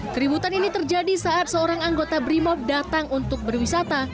keributan ini terjadi saat seorang anggota brimob datang untuk berwisata